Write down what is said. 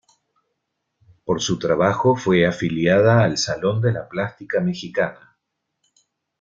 Por su trabajo fue afiliada al Salón de la Plástica Mexicana.